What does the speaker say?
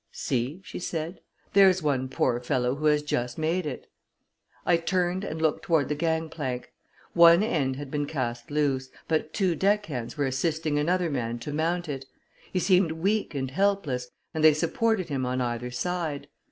"See," she said; "there's one poor fellow who has just made it." I turned and looked toward the gang plank. One end had been cast loose, but two deck hands were assisting another man to mount it. He seemed weak and helpless, and they supported him on either side.